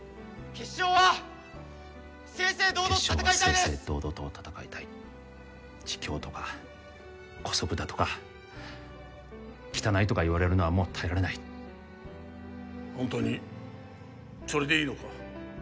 決勝は正々堂々と戦いたい卑怯とか姑息だとか汚いとか言われるのはもう耐えられない本当にそれでいいのか